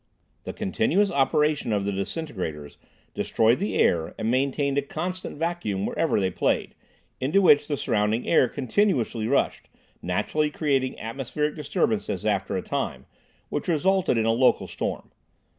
The continuous operation of the disintegrators destroyed the air and maintained a constant vacuum wherever they played, into which the surrounding air continuously rushed, naturally creating atmospheric disturbances after a time, which resulted in a local storm.